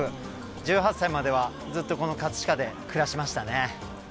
１８歳まではずっとこの葛飾で暮らしましたね。